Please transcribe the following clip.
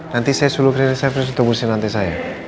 nanti saya suruh cleaning service untuk bersihkan lantai saya